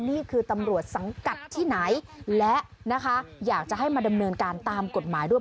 นี่คือตำรวจสังกัดที่ไหนและนะคะอยากจะให้มาดำเนินการตามกฎหมายด้วย